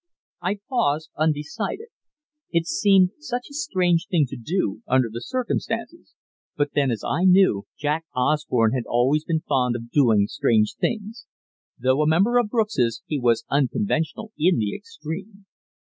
I paused, undecided. It seemed such a strange thing to do, under the circumstances; but then, as I knew, Jack Osborne had always been fond of doing strange things. Though a member of Brooks's, he was unconventional in the extreme.